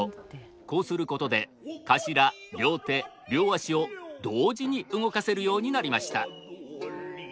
こうすることで頭両手両足を同時に動かせるようになりました。